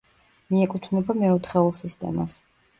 მიეკუთვნება მეოთხეულ სისტემას.